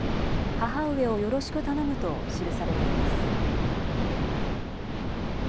母上を宜敷しく頼むと記されています。